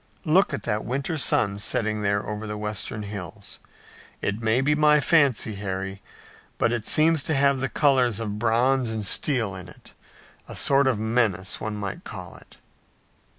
Look at that winter sun setting there over the western hills. It may be my fancy, Harry, but it seems to have the colors of bronze and steel in it, a sort of menace, one might call it."